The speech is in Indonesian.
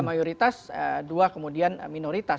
mayoritas dua kemudian minoritas